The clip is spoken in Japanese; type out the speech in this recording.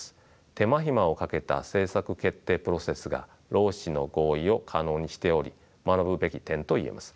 手間暇をかけた政策決定プロセスが労使の合意を可能にしており学ぶべき点と言えます。